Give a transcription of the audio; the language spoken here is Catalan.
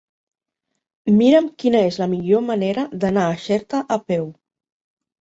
Mira'm quina és la millor manera d'anar a Xerta a peu.